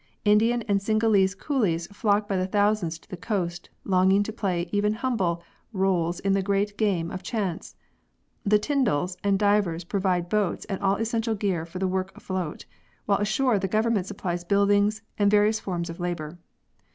Indian and Cingalese coolies flock by the thousand to the coast, longing to play even humble rdles in the great game of chance. The " tindals " and divers provide boats and all essential gear for the work afloat, while ashore the Government supplies buildings and various forms of labour.